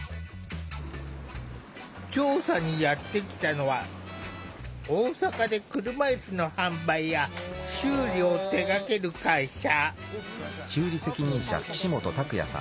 調査にやってきたのは大阪で、車いすの販売や修理を手がける会社。